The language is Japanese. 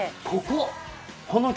ここ！